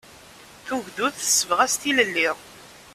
Tugdut tessebɣas tilelli.